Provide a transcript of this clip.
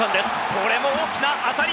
これも大きな当たり。